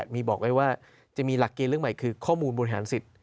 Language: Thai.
มีบอกไว้ว่าจะมีหลักเกณฑ์เรื่องใหม่คือข้อมูลบริหารสิทธิ